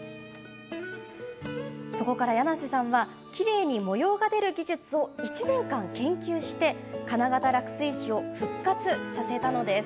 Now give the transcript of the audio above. そこから柳瀬さんはきれいに模様が出る技術を１年間、研究して金型落水紙を復活させたのです。